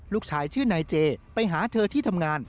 ลูกชายชื่อนายเจไปหาเธอที่ทำงาน